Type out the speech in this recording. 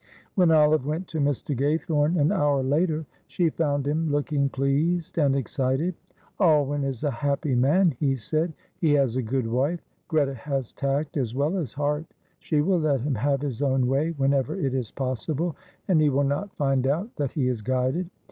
When Olive went to Mr. Gaythorne an hour later she found him looking pleased and excited. "Alwyn is a happy man," he said, "he has got a good wife. Greta has tact as well as heart. She will let him have his own way whenever it is possible, and he will not find out that he is guided.